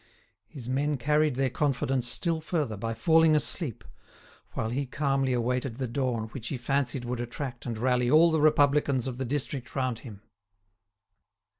His men carried their confidence still further by falling asleep, while he calmly awaited the dawn which he fancied would attract and rally all the Republicans of the district round him.